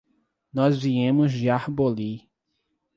Nós viemos de Arbolí.